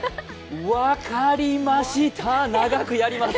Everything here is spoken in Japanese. わかりました、長くやります。